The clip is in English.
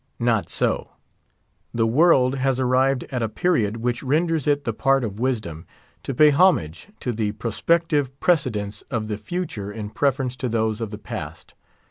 Not so. The world has arrived at a period which renders it the part of Wisdom to pay homage to the prospective precedents of the Future in preference to those of the Past.